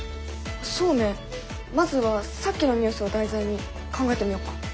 そうねまずはさっきのニュースを題材に考えてみよっか。